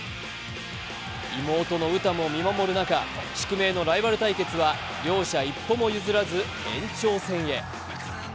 妹の詩も見守る中、宿命のライバル対決は両者一歩も譲らず延長戦へ。